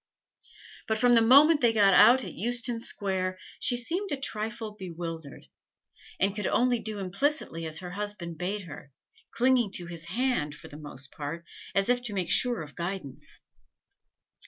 But from the moment that they got out at Euston Square she seemed a trifle bewildered, and could only do implicitly as her husband bade her clinging to his hand, for the most part, as if to make sure of guidance.